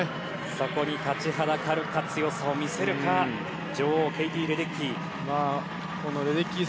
そこに立ちはだかるか強さを見せるか女王、ケイティ・レデッキー。